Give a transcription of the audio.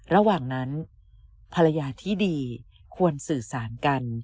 ระหว่างนั้นภรรยาที่ดีควรสื่อสารกัน